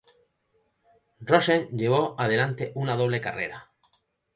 Rosen llevó adelante una doble carrera.